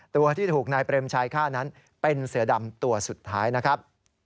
ตัวที่ถูกนายเปรมชัยฆ่านั้นเป็นเสือดำตัวสุดท้ายนะครับ